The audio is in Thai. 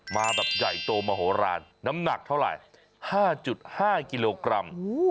มาแบบใหญ่โตมโหลานน้ำหนักเท่าไหร่๕๕กิโลกรัม